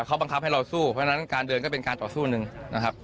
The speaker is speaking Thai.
เขาบังคับให้เราสู้เพราะฉะนั้นการเดินก็เป็นการต่อสู้หนึ่งนะครับ